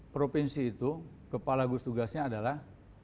provinsi itu kepala gugus tugasnya adalah